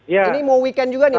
ini mau weekend juga nih